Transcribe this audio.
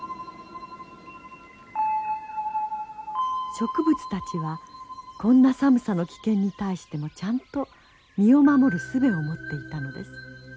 植物たちはこんな寒さの危険に対してもちゃんと身を守るすべを持っていたのです。